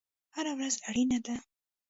هره ورځ اړینه ده